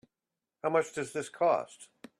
How much does this cost?